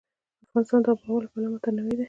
افغانستان د آب وهوا له پلوه متنوع دی.